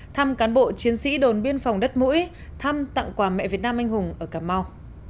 thăm cán bộ chiến sĩ đồn biên phòng đất mũi thăm tặng quà mẹ việt nam anh hùng ở cà mau